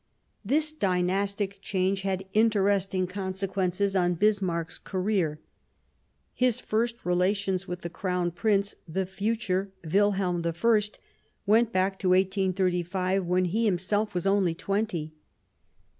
This dj nastic change had interesting consequences on Bismarck's career. His first relations with the Crown Prince, the future Wilhelm I, went back to 1835, when he himself was only twenty.